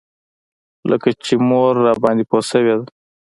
لکه چې مور راباندې پوه شوې ده.